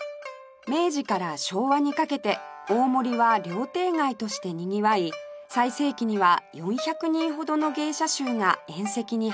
明治から昭和にかけて大森は料亭街としてにぎわい最盛期には４００人ほどの芸者衆が宴席に華を添えていました